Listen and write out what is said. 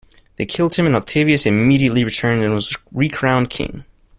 They killed him and Octavius immediately returned and was recrowned king.